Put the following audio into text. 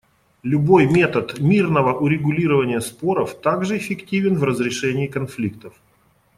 Любой метод мирного урегулирования споров также эффективен в разрешении конфликтов.